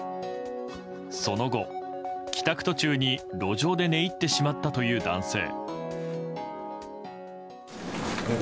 その後、帰宅途中に路上で寝入ってしまったという男性。